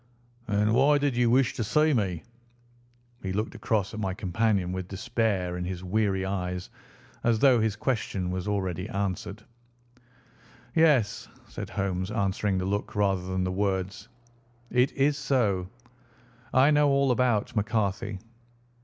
"And why did you wish to see me?" He looked across at my companion with despair in his weary eyes, as though his question was already answered. "Yes," said Holmes, answering the look rather than the words. "It is so. I know all about McCarthy."